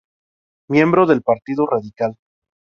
Miembro del Partido Radical.